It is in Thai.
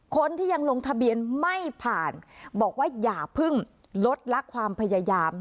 คนที่ยังลงทะเบียนไม่ผ่านบอกว่าอย่าเพิ่งลดลักความพยายาม